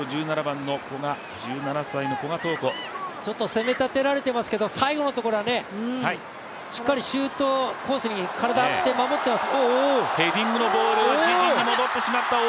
攻め立てられていますけど最後のところはしっかりシュートコースに体を張って守ってます。